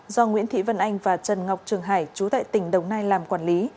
do nguyễn thị vân anh và trần ngọc trường hải chú tại tỉnh đồng nai làm quản lý